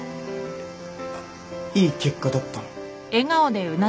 あっいい結果だったの？